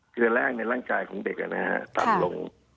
คือแรกในร่างกายของเด็กต่ำลง